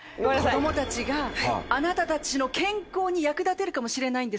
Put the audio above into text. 子どもたちがあなたたちの健康に役立てるかもしれないんですよ。